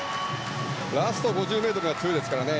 ラスト５０ｍが強いですからね。